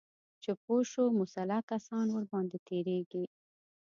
چې پوه شو مسلح کسان ورباندې تیریږي